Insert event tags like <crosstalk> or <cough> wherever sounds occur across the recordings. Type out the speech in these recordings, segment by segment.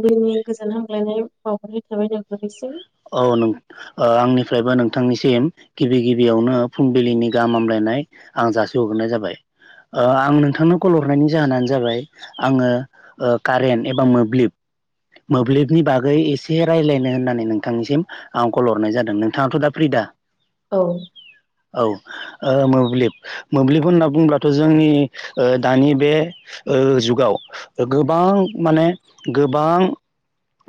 फुंनि गोजोन हामगलायनाय बावहरनाय थाबाय नोंथांनिसिम औ आंनिफ्रायबो नोंथांनिसिम गिबि गिबियावनो फुंबिलिनि गाहाम हामलायनाय आं जासि हग्रोननाय जाबाय आं नोंथांनो कल हरनायनि जाहोनानो जाबाय आङो कारेन्ट एबा मोब्लिब मोब्लिबनि बागै एसे रायज्लायनो होननानै नों बिथांनिसिम आं कल हरनाय जादों नोंथाङाथ' दा फ्रि दा? औ औ मोब्लिब मोब्लिब होनना बुंङोब्लाथ' जोंनि दानि बे जुगाव गोबां माने गोबां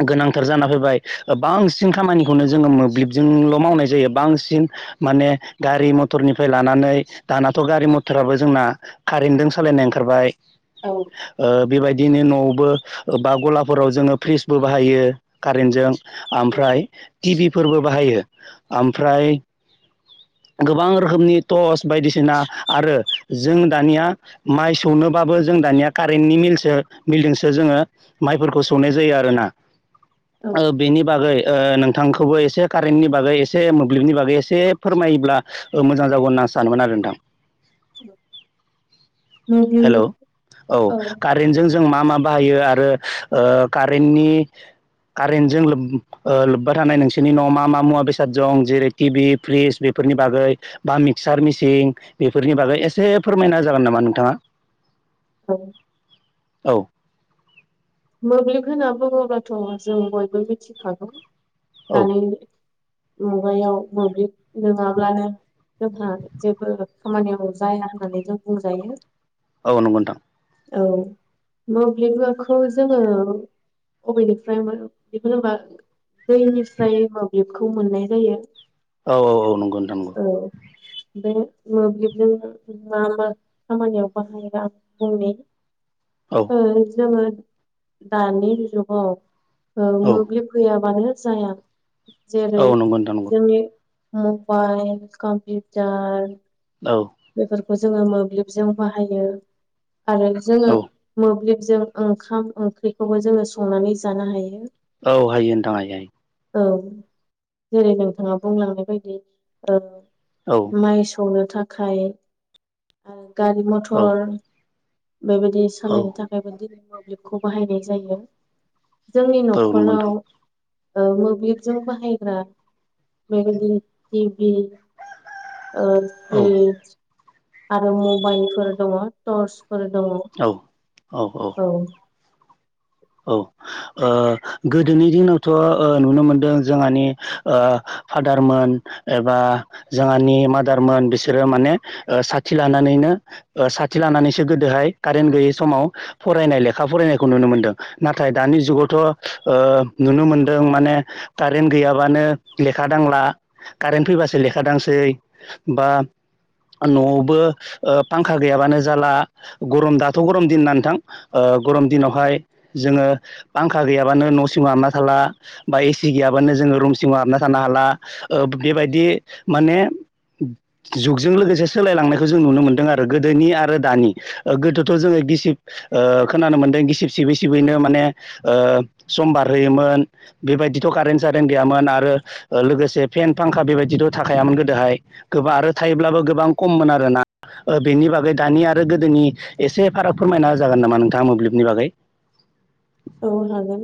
गोनांथार जाना फैबाय बां सिन खामानिखौनो जोङो मोब्लिबजोंल' मावनाय जायो बांसिन माने गारि मथरनिफ्राय लानानै दानाथ' गारि मथराबो जोंना कारेन्टजों सालायनाय ओंखारबाय औ बेबायदि बिदिनो न'बो बा गलाफोराव जोङो फ्रिजबो बाहायो कारेन्टजों आफ्राय ओमफ्राय टिभिफोरबो बाहायो ओमफ्राय गोबां रोखोमनि टर्च बायदिसिना आरो जों दानिया माइ सौनोबाबो जों जों दानिया कारेन्टनि मिलसो मिलजोंसो जोङो माइफोरखौ सौनाय जायो आरोना। औ बेनि बागै नोंथांखौबो एसे कारेन्टनि बागै एसे मोब्लिबनि बागै एसे फोरमायोब्ला मोजां जागौन ना सानोमोन आरो नोंथां हेलौ हेलौ औ कारेन्ट जों जों मा मा बाहायो आरो ओ कारेन्टनि कारेन्टजों लोब ओ लोब्बा थानाय नोंसोरनि न'आव मा मा मुवा बेसाद दं जेरै टिभि फ्रिज बे - फोरनि बागै बा मिक्सार मेसिन बेफोरनि बागै एसे फोरमायना जागोन नामा नोंथाङा ओं औ मोब्लिब होनना बुङोबाथ जों बयबो मिथिखागौ औ दानि मुगायाव मोब्लिब नोङाब्लानो जोंहा जेबो खामानियाव जाया होननानै जों बुंजायो औ नंगौ नोंथां औ मोब्लिबखौ जोङो अबेनिफ्रायबो <unintelligible> दैनिफ्राय मोब्लिब खौ मोननाय जायो औ औ औ नंगौ नोंथां नंगौ औ बे मोब्लिबजों मा मा खामानियाव बाहायो आं बुंनि औ ओ जोङो दानि जुगाव ओ औ मोब्लिब गैयाबानो जाया जेरै औ नंगौ नोंथां नंगौ जोंनि मबाइल कम्पिउटार औ बेफोरखौ जोङो मोब्लिबजों बाहायो आरो जोङो औ मोब्लिबजों ओंखाम ओंख्रिखौबो जोङो संनानै जानो हायो औ हायो नोंथां हायो हायो औ जेरै नोंथाङा बुंलांनाय बायदि हायो ओ माइ सौनो थाखाय ओ गारि औ मथर बेबायदि औ सालायनो थाखायबो दिनै मोब्लिबखौ बाहायनाय जायो जोंनि औ नंगौ न'खराव नोंथां ओ मोब्लिबजों बाहायग्रा बेबायदि टिभि ओ औ फ्रिज आरो मबाइलफोर दङ टर्स फोर दङ औ औ औ औ ओ गोदोनि दिनावथ ओ नुनो मोनदों जोंहानि ओ फादारमोन एबा जोंहानि मादारमोन बिसोरो माने ओ साथि लानानै नो ओ साथि लानानैसो गोदोहाय कारेन्ट गैयै समाव फरायनाय लेखा फरायनायखौ नुनो मोनदों नाथाय दानि जुगावथ ओ नुनो मोनदों माने कारेन्ट गैयाबानो ले खा दांला कारेन्ट फैबासो लेखा दांसै बा न'आवबो ओ फांखा गैयाबानो जाला गरम दाथ गरम दिनना नोथां ओ ओ गरम दिनावहाय जोङो फांखा गैयाबानो न'सिङाव हाबना थाला बा एसि गैयाबानो जोङो रुमसिङाव हाबना था नो हाला बेबायदि माने जुगजों लोगोसे सोलायलांनायखौ जों नुनो मोनदों आरो गोदोनि आरो दानि गोदोथ जोङो गिसिब ओ खोनानो मोनदों गिसिब सिबै सिबैनो माने सम बारहोयोमोन बेबायदिथ कारेन्ट जादों गैयामोन आरो लोगोसे फेन फांखा बेबायदिथ थाखायामोन गोदोहाय गोबां आरो थायोब्लाबो गोबां खममोन आरो ना ओ बेनि बागै दानि आरो गोदोनि एसे फाराग फोरमायना जागोन नामा नोंथाङा मोब्लिबनि बागै औ हागोन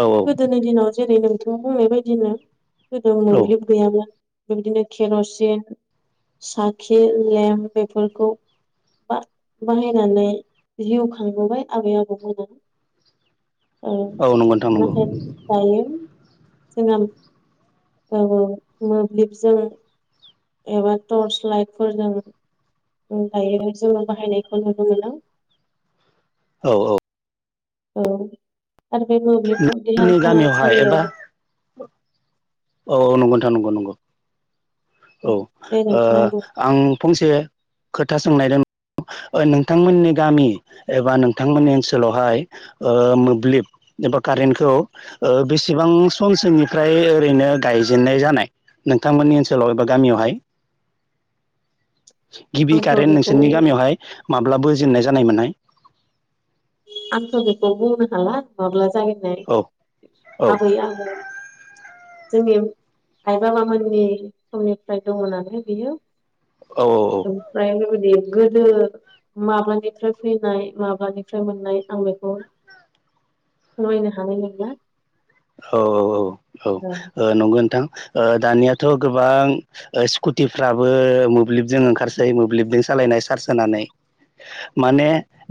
औ गोदोनि दिनाव जेरै नोंथां बुंनाय बायदिनो गोदो औ मोब्लिब गैयाबा बेबायदिनो केरसिन साखि लेम्प बेफोरखौ बा बाहायनानै जिउ खांबोबाय आबै आबौमोना औ नंगौ नोंथां नंगौ नाथाय दायो जोंना मोब्लिबजों एबा टर्च लाइटफोरजों दायो जोङो बाहायनायखौ नुनो मोनो औ औ औ आरो बे मोब्लिबखौ देहा जोंनि गामियावहाय एबा फाहामसालियाव औ औ नंगौ नोंथां नंगौ नंगौ औ दे नोंथाङाबो आं फंसे खोथा सोंनायदों नोंथांमोननि गामि एबा नोंथांमोननि ओनसोलावहाय मोब्लिब एबा कारेन्टखौ बेसेबां समसोनिफ्राय ओरैनो गायजेननाय जानाय नोंथांमोननि ओनसोलाव एबा गामियावहाय गिबि आंथ' कारेन्ट बेखौ नोंसोरनि गामियावहाय माब्ला बोजेननाय जानाय मोनहनाय आंथ बेखौ बुंनो हला माब्ला जनाय औ औ आबै आबौ जोंनि आइ बाबामोननि समनिफ्राय दङ नालाय बियो औ ओमफ्राय बेबायदि गोदो माबानिफ्राय फैनाय माबानि फफ्राय मोननाय आं बेखौ नायनो हानाय नंला औ औ औ औ नंगौ नोंथां दानियाथ' गोबां स्कुटिफ्राबो मोब्लिबजों ओंखारसै मोब्लिबजों सान सालायनाय सार्स होनानै माने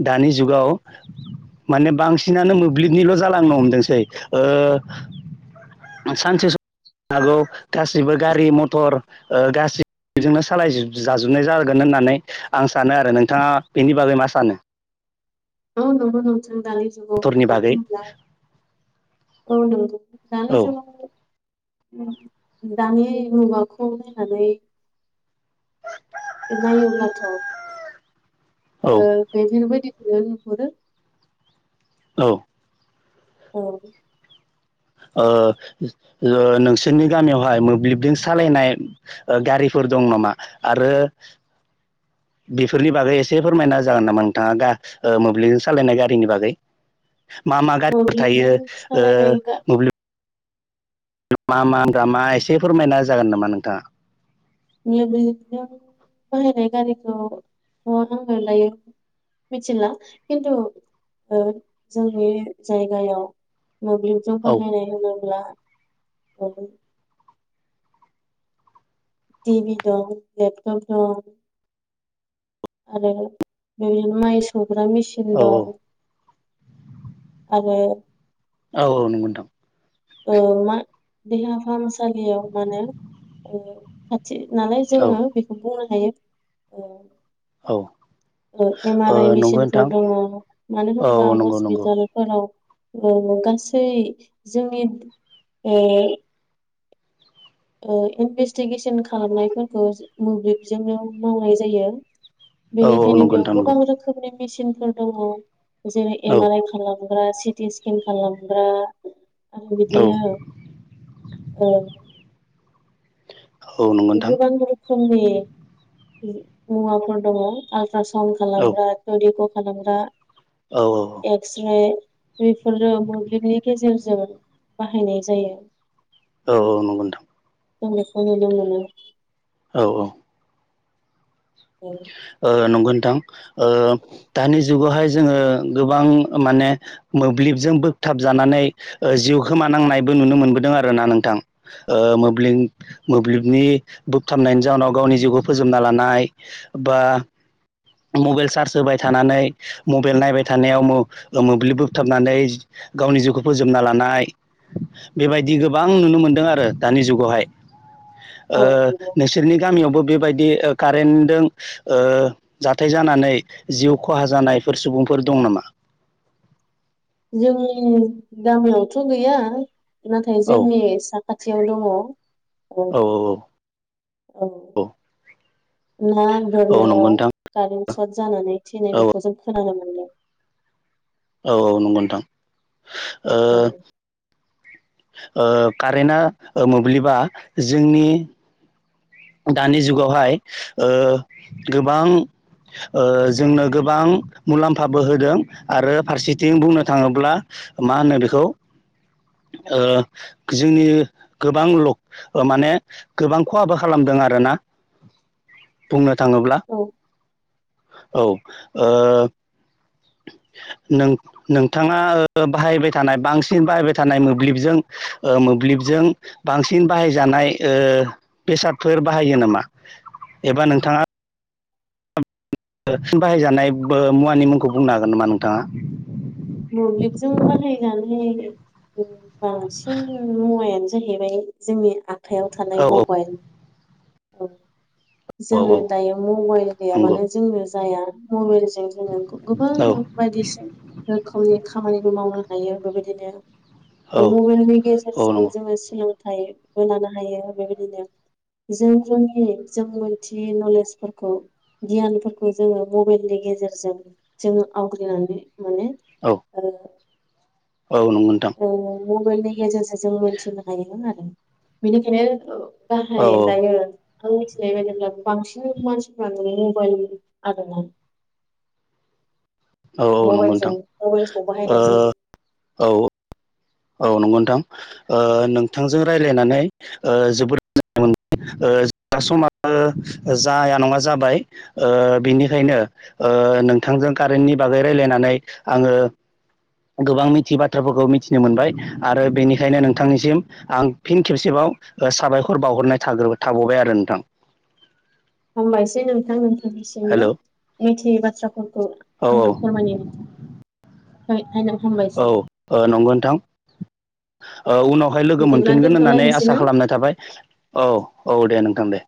दानि जुगाव माने बांसिनानो मोब्लिब बि्लिबनिल' जालांनो हमदोंसै सानसे सम हागौ गासिबो गारि मथर गासिजोंनो सालाय जाजोबनाय जागोन न होननानै आं सानो आरो नोंथाङा बेनि बागै मा सानो ओ नंगौ नोंथां दानि जुगाव मथरनि बागै दानि औ जुगाव दानि मुगाखौ नायनानै नायोब्ला थ औ बेफोरबायदिखौनो नुहुरो औ औ नोंसोरनि गामियावहाय मोब्लिबजों सालायनाय गारिफोर दं नामा आरो बेफोरनि बागै एसे फोरमायना जागोन नामा नोंथाङा मोब्लिबजों सालायनाय गारिनि बागै मा मा गारिफोर मोब्लिबजों थायो सालायनाय गा मोब्लिब मा मा होनग्रामा एसे फोरमायना जागोन नामा नोंथाङा जों बाहायनाय गारिखौ आंनानै लायो मिथिला खिन्थु जोंनि जायगायाव मोब्लिबजों औ बाहायनाय होनोब्ला टिभि दं लेपटप दं आरो बेदिनो माइ सौग्रा मेचिन औ दं आरो औ नंगौ नोंथां मा देहा फाहामसालियाव माने खा नालाय औ जोङो बेखौ बुंनो हायो औ एम ओ आर आइ नंगौ मेसिनफोर नोंथां दङ मानो औ होनबा औ नंगौ नंगौ हस्पितालफोराव गासै जोंनि इनभेस्टिगेसन खालामनायफोरखौ मोब्लिबजोंनो मावनाय जायो औ बेनिखायनो नंगौ बेयाव नोंथां नंगौ गोबां रोखोमनि मेसिनफोर दङ जेरै औ एम आर आइ खालामो सिटि सकेन खालामग्रा आरो औ बिदिनो ओ औ नंगौ नोंथां गोबां रोखोमनि मुवाफोर दङ आलट्रा सउन्ड औ खालामग्रा थदिखौ खालामग्रा औ एक्स रे बेफोरो मोब्लिबनि गेजेरजों बाहायनाय जायो औ औ नंगौ नोंथां जों बेखौ नुनो मोनो औ - औ औ ओ नंगौ नोंथां ओ दानि जुगावहाय जोंङो गोबां माने मोब्लिबजों बोगथाब जानानै जिउ खोमानांनायबो नुनो मोनबोदों आरोना नोंथां ओ मोब्लिब मोब्लिबनि बोगथाबनायनि जाउनाव गावनि जिउखौ फोजोबना लानाय बा मबाइल चार्ज होबाय थानानै मबाइल नायबाय थानायाव मोब्लिब बोगथाबनानै गावनि जिउखौ फोजोबना लानाय बेबायदि गोबां नुनो मोनदों आरो दानि जुगावहाय ओ नंगौ नोंसोरनि गामियावबो बेबायदि ओ का रेनदों ओ जाथाय जानानै जिउ खहा जानायफोर सुबुंफोर दं नामा? <inaudible> जोंनि गामियावथ' गैया नाथाय औ जोंनि सा खाथियाव दङो औ - औ ना औ नंगौ बोननायाव नोंथां कारेन्ट सर्ट जानानै थैनाय औ बेखौ जों खोनानो <unintelligible> औ - औ नंगौ नोंथां ओ औ ओ कारेन्टआ मोब्लिबा जोंनि दानि जुगावहाय ओ गोबां ओ जोंनो गोबां मुलाम्फाबो होदों आरो फारसेथिं बुंनो थांङोब्ला मा होनो बेखौ ओ जोंनि गोबां माने गोबां खहाबो खालामदों आरोना बुंनो थांङोब्ला औ औ ओ नों नोंथांङा बाहायबाय थानाय बांसिन बाहायबाय थानाय मोब्लिबजों ओ मोब्लिब मोब्लिबजों बांसिन बाहाय जानाय ओ बेसादफोर बाहायो नामा? एबा नोंथांङा बाहायजानाय मुवानि मुंखौ बुंनो हागोन नामा नोंथांङा मोब्लिबजों बाहायजानाय बांसिन मुवाया- जाहैबाय जोंनि आखयाव औ थानाय औ मबाइल औ औ औ जोंङो दायो मबाइल नंगौ गैयाबानो जोंनो जाया मबाइल- जों जोङो गोबां औ बायदिसिन रोखोमनि खामानिबो मावनो हायो बेबायदिनो औ मबाइलनि औ गेजेरजों नंगौ जोंङो सों थाइबो लानो हायो बेबायदिनो जों जोंनि जों मोनथियै नलेजफोरखौ गियानफोरखौ जोंङो मबाइलनि गेजेर जों जोंङो आवग्रिरिनानै मोनो औ ओ औ नंगौ नोंथां ओ मबाइलनि गेजेरजों जों मिथिनो हायो आरो बेनिखायनो औ गाहाय दायो आं मिथिनाय बायदिब्ला बांसिन मानसिफ्रानो मबाइल आरो ना औ - औ नंगौ नोंथां मबाइलखौ ओ बाहायनाय जायो औ औ नंगौ नोंथां ओ नोंथांजों रायलायनानै ओ जोबोद ओ समाबो जाया नंङा जाबाय ओ बिनिखायनो ओ नोंथांजों कारेन्टनि बागै रायलायनानै आंङो गोबां मिथि बाथ्राफोरखौ मिथिनो मोनबाय आरो बेनिखायनो नोंथांनिसिम आं फिन खेबसेबाव साबायखर बावहरनाय थाबावबाय आरो नोंथां। हामबायसै नोंथांनो। निसिमबो हेल' मिथियै बाथ्राफोरखौ औ औ आंनो फोरमाय थाखाय आयनाव औ हामबायसै नंगौ नोंथां। औ उनावहाय लोगो बिदिब्ला मोनफिनगोन होननानै दोनथ'लायनोसै आसा ना खालामनाय थाबाय औ। औ दे नोंथां दे।